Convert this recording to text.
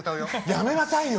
やめなさいよ！